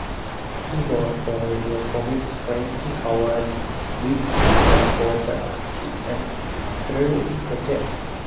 He wrote for radio comics Frankie Howerd, Vic Oliver, Arthur Askey, and Cyril Fletcher.